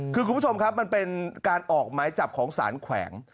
คือคุณผู้ชมครับมันเป็นการออกหมายจับของสารแขวง